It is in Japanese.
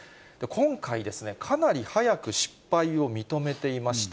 今回、かなり早く失敗を認めていました。